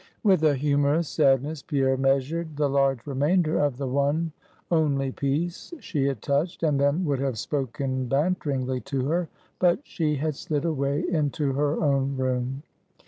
With a humorous sadness Pierre measured the large remainder of the one only piece she had touched, and then would have spoken banteringly to her; but she had slid away into her own room.